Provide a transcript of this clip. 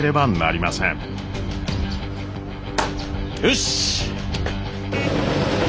よし！